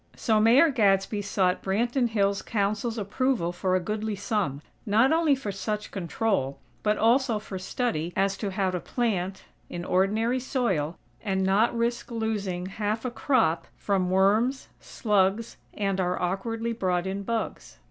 So, Mayor Gadsby sought Branton Hills' Council's approval for a goodly sum; not only for such control, but also for study as to how to plant, in ordinary soil, and not risk losing half a crop from worms, slugs and our awkwardly brought in "bugs."